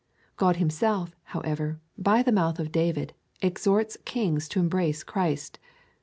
God himself, however, by the mouth of David, exhorts kings to embrace Christ,' (Ps.